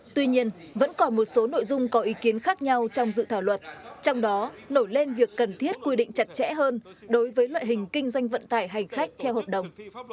tuy nhiên vẫn còn một số nội dung có ý kiến khác nhau trong dự thảo luật trong đó nổi lên việc cần thiết quy định chặt chẽ hơn đối với loại hình kinh doanh vận tải hành khách theo hợp đồng